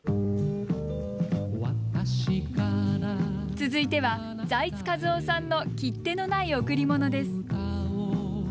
続いては財津和夫さんの「切手のないおくりもの」です。